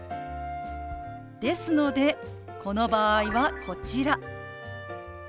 ですのでこの場合はこちら。